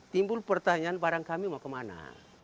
timbul pertanyaan barang kami mau kemana